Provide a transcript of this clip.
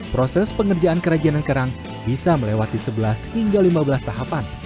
proses pengerjaan kerajinan kerang bisa melewati sebelas hingga lima belas tahapan